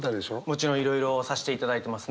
もちろんいろいろさせていただいてますね。